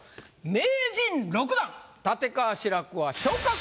名人６段立川志らくは。